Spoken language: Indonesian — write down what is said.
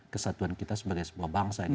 kesatuan kita sebagai sebuah bangsa ini